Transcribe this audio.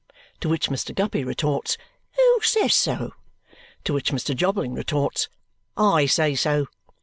To which Mr. Guppy retorts, "Who says so?" To which Mr. Jobling retorts, "I say so!"